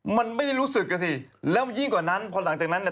มันไม่ได้รู้สึกอ่ะสิแล้วมันยิ่งกว่านั้นพอหลังจากนั้นเนี่ย